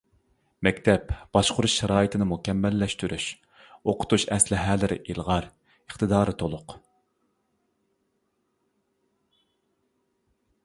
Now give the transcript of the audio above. مەكتەپ باشقۇرۇش شارائىتىنى مۇكەممەللەشتۈرۈش، ئوقۇتۇش ئەسلىھەلىرى ئىلغار، ئىقتىدارى تولۇق.